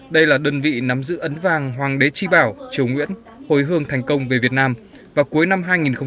đây là đơn vị nắm giữ ấn vàng hoàng đế tri bảo triều nguyễn hồi hương thành công về việt nam vào cuối năm hai nghìn một mươi